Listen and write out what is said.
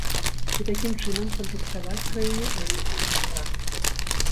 І такім чынам кампенсаваць краіне нанесеныя страты.